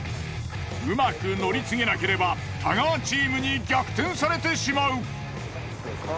うまく乗り継げなければ太川チームに逆転されてしまう。